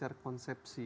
karena secara konsepsi